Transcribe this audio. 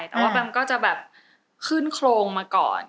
แต่ว่าแบมก็จะแบบขึ้นโครงมาก่อน